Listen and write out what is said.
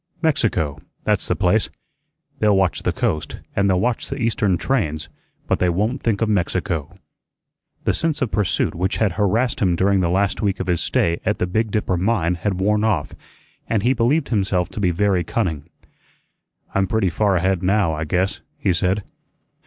"Mexico, that's the place. They'll watch the coast and they'll watch the Eastern trains, but they won't think of Mexico." The sense of pursuit which had harassed him during the last week of his stay at the Big Dipper mine had worn off, and he believed himself to be very cunning. "I'm pretty far ahead now, I guess," he said.